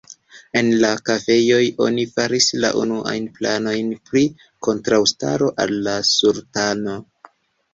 En la kafejoj, oni faris la unuajn planojn pri kontraŭstaro al la sultano.